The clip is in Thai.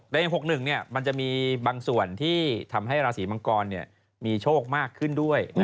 ใน๖๑มันจะมีบางส่วนที่ทำให้ราศีมังกรมีโชคมากขึ้นด้วย